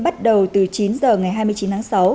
bắt đầu từ chín h ngày hai mươi chín tháng sáu